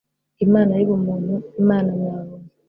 imana y'ubuntu, imana nyabuntu